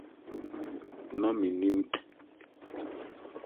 Ná minnim.